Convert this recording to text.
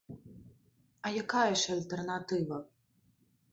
А якая ж альтэрнатыва?